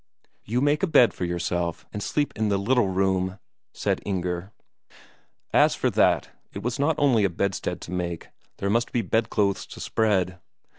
"You make a bed for yourself and sleep in the little room," said Inger. As for that, it was not only a bedstead to make; there must be bedclothes to spread.